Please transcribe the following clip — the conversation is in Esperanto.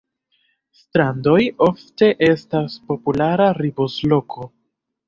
Strandoj ofte estas populara ripozloko.